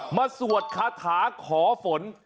สวดคาถาขอฝน